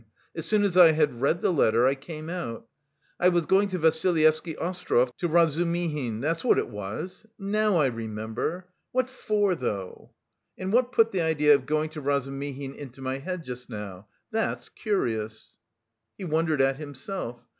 As soon as I had read the letter I came out.... I was going to Vassilyevsky Ostrov, to Razumihin. That's what it was... now I remember. What for, though? And what put the idea of going to Razumihin into my head just now? That's curious." He wondered at himself.